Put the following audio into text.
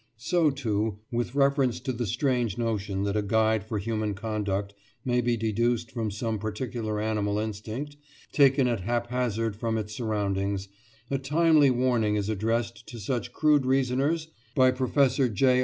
" So, too, with reference to the strange notion that a guide for human conduct may be deduced from some particular animal instinct, taken at haphazard from its surroundings, a timely warning is addressed to such crude reasoners by Professor J.